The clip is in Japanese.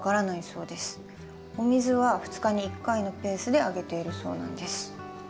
お水は２日に１回のペースであげているそうなんです。